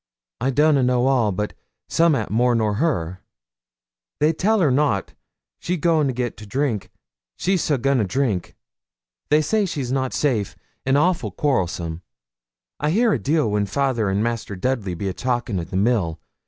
I donna know all, but summat more nor her. They tell her nout, she's so gi'n to drink; they say she's not safe, an' awful quarrelsome. I hear a deal when fayther and Master Dudley be a talkin' in the mill.